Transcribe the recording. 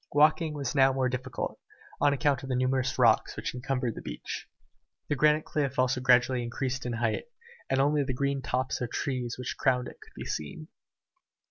Walking was now more difficult, on account of the numerous rocks which encumbered the beach. The granite cliff also gradually increased in height, and only the green tops of the trees which crowned it could be seen.